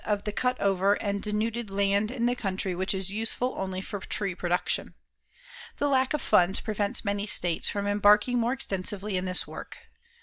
of the cut over and denuded land in the country which is useful only for tree production. The lack of funds prevents many states from embarking more extensively in this work.